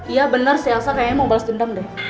iya bener si elsa kayaknya mau balas dendam deh